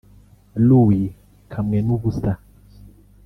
Louis Kamwenubusa